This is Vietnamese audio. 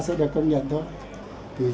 xã sẽ được công nhận thôi